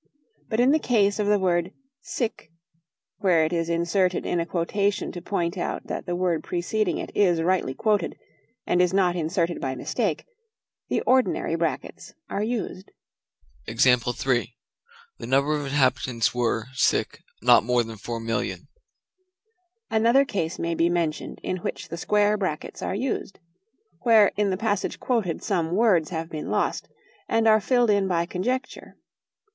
But in the case of the word sic where it is inserted in a quotation to point out that the word preceding it is rightly quoted, and is not inserted by mistake the ordinary brackets are used. "The number of inhabitants were not more than four millions." Another case may be mentioned in which the square brackets are used: where in the passage quoted some words have been lost, and are filled in by conjecture.